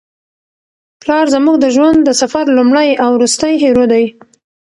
پلار زموږ د ژوند د سفر لومړی او وروستی هیرو دی.